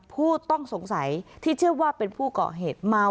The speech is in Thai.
หน้าผู้ใหญ่ในจังหวัดคาดว่าไม่คนใดคนหนึ่งนี่แหละนะคะที่เป็นคู่อริเคยทำรักกายกันมาก่อน